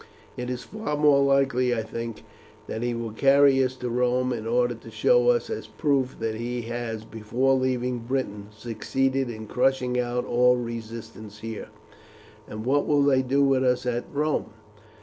It is far more likely, I think, that he will carry us to Rome in order to show us as proofs that he has, before leaving Britain, succeeded in crushing out all resistance here." "And what will they do with us at Rome?"